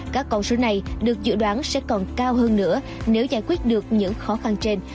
các con số này được dự đoán sẽ còn cao hơn nữa nếu giải quyết được những khó khăn trên